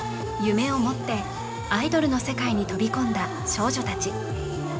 夢を持ってアイドルの世界に飛び込んだ少女たち